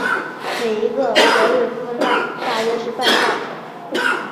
每一个格日夫纳大约是半磅。